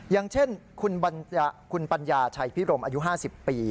อย่างเช่นคุณปัญญาชัยพิรมอายุ๕๐ปี